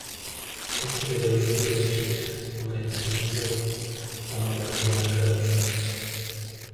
Consider the rigid object moving smoothly along the regular curve.